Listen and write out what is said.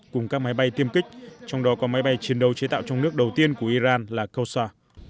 cùng các máy bay tiêm kích trong đó có máy bay chiến đấu chế tạo trong nước đầu tiên của iran là qsar